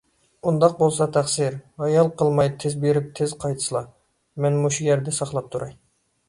ئۇنداق بولسا تەقسىر، ھايال قىلماي تېز بېرىپ تېز قايتسىلا! مەن مۇشۇ يەردە ساقلاپ تۇراي.